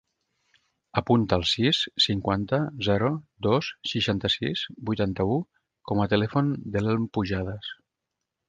Apunta el sis, cinquanta, zero, dos, seixanta-sis, vuitanta-u com a telèfon de l'Elm Pujadas.